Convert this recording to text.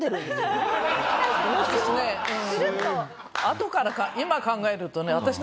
あとから今考えるとね。